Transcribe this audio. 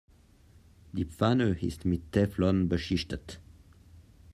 Die Pfanne ist mit Teflon beschichtet.